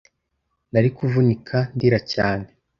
nari kuvunika ndira cyane